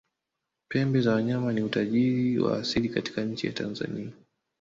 pembe za wanyama ni utajiri wa asili katika nchi ya tanzania